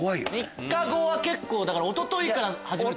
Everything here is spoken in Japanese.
「３日後」は結構おとといから始めると。